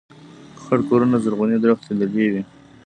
خړ کورونه زرغونې درختي دلې وې